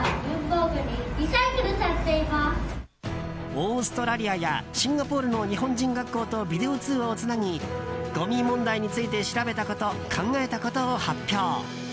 オーストラリアやシンガポールの日本人学校とビデオ通話をつなぎごみ問題について調べたこと、考えたことを発表。